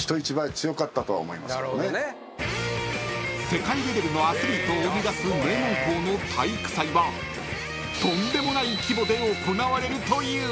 ［世界レベルのアスリートを生み出す名門校の体育祭はとんでもない規模で行われるという］